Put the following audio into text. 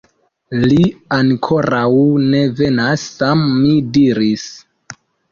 Li ankoraŭ ne venas, Sam, mi diris.